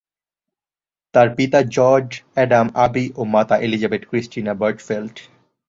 তার পিতা George Adam Abi ও মাতা এলিজাবেথ ক্রিস্টিনা বার্চফেল্ট।